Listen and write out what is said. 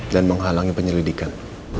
dan menghalangi penyelidikan